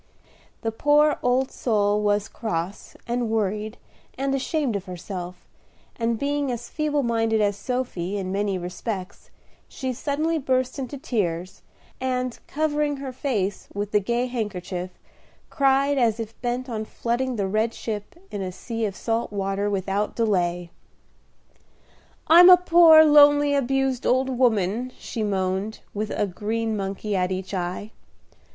The poor old soul was cross, and worried, and ashamed of herself, and being as feeble minded as Sophy in many respects, she suddenly burst into tears, and, covering her face with the gay handkerchief, cried as if bent on floating the red ship in a sea of salt water without delay. "I'm a poor, lonely, abused old woman," she moaned, with a green monkey at each eye.